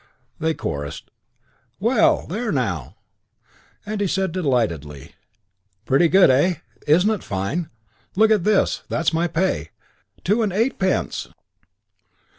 They chorused, "Well, there now!" He said delightedly, "Pretty good, eh? Isn't it fine! Look at this that's my pay. Two and eightpence!"